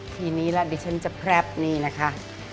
ทีนี้แล้วดิฉันจะแพรปนี่นะคะ